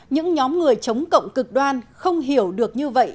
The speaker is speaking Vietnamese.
những nhóm người chống cộng cực đoan không hiểu được như vậy